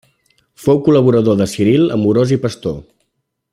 Fou col·laborador de Ciril Amorós i Pastor.